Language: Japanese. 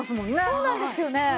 そうなんですよね。